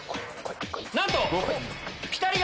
なんと！